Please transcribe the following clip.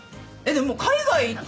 でも海外行って。